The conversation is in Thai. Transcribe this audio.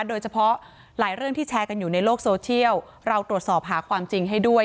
โดยเฉพาะหลายเรื่องที่แชร์กันอยู่ในโลกโซเชียลเราตรวจสอบหาความจริงให้ด้วย